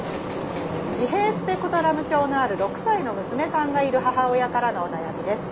自閉スペクトラム症のある６歳の娘さんがいる母親からのお悩みです。